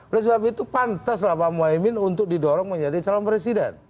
oleh sebab itu pantaslah pak mohaimin untuk didorong menjadi calon presiden